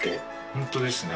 ホントですね。